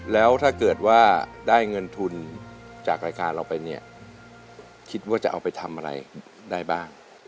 แล้วถ้าเกิดว่าได้เงินทุนจากรายการเราไปเนี่ยคิดว่าจะเอาไปทำอะไรได้บ้าง